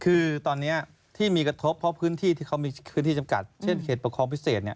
คือตอนนี้ที่มีกระทบเพราะพื้นที่ที่เขามีพื้นที่จำกัดเช่นเขตประคองพิเศษเนี่ย